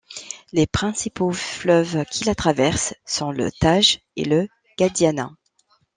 Les principaux fleuves qui la traverse sont le Tage et le Guadiana.